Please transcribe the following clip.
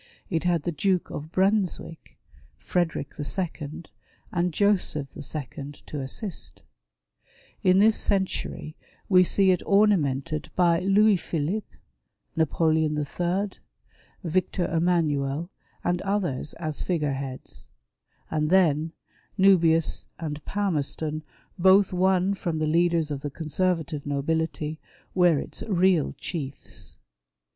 It had the Duke of Brunswick, Frederick II., and Joseph 11. , to assist. In this century we see it ornamented by Louis Philip, Napoleon III., Victor Emmanuel and others as figure heads ; and then, Nubius and Palmerston both won from the leaders of the Conservative nobility, were its real chiefs.